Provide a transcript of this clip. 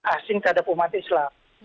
asing terhadap umat islam